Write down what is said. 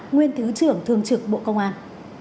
nguyên thứ trưởng thường trực bộ công an